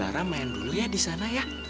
lara main dulu ya disana ya